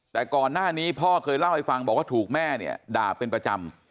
แต่ก่อนหน้านี้พ่อเคยเล่าให้ฟังบอกว่าถูกแม่เนี่ยด่าเป็นประจำ